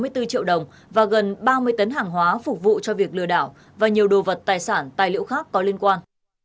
hai mươi bốn triệu đồng và gần ba mươi tấn hàng hóa phục vụ cho việc lừa đảo và nhiều đồ vật tài sản tài liệu khác có liên quan